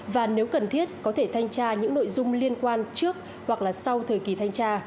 và nếu cần thiết có thể thanh tra những nội dung liên quan trước hoặc là sau thời kỳ thanh tra